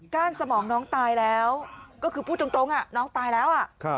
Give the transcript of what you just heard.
้านสมองน้องตายแล้วก็คือพูดตรงน้องตายแล้ว